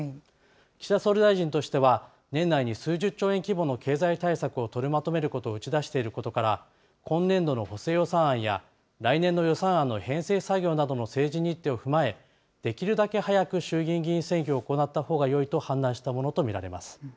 岸田総理大臣としては、年内に数十兆円規模の経済対策を取りまとめることを打ち出していることから、今年度の補正予算案や、来年度予算案の編成作業などの政治日程を踏まえ、できるだけ早く衆議院議員選挙を行ったほうがよいと判断したものと見られます。